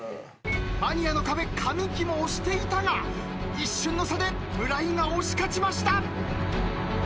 マニアの壁神木も押していたが一瞬の差で村井が押し勝ちました。